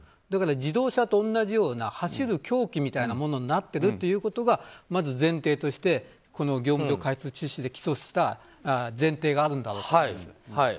だから、自動車と同じような走る凶器みたいなものになってるということがまず前提として業務上過失致死で起訴した前提があるんだと思うんです。